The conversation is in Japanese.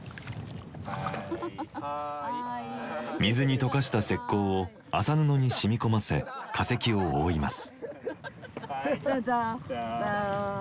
水に溶かした石こうを麻布に染み込ませ化石を覆います。